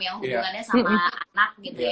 yang hubungannya sama anak gitu ya